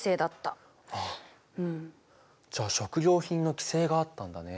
じゃあ食料品の規制があったんだね。